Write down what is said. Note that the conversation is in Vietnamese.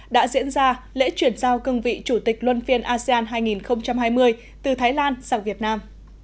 đã diễn ra lễ chuyển giao cương vị chủ tịch luân phiên asean hai nghìn hai mươi từ thái lan sang việt nam